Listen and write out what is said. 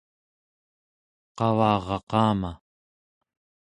qavaraqama